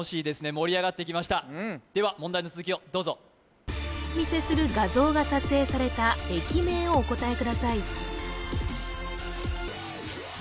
盛り上がってきましたでは問題の続きをどうぞお見せする画像が撮影された駅名をお答えください